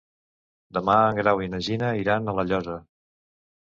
Demà en Grau i na Gina iran a La Llosa.